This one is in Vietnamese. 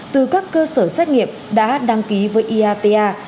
từ các cơ sở xét nghiệm đã đăng ký với iapa